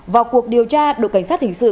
vào cuộc điều tra đội cảnh sát hình sự